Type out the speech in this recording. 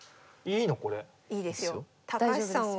いいですよ。